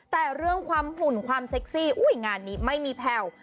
แต่เรื่องความหุ่นความเซ็กซี่อุ้ยงานนี้ไม่มีแผ่ว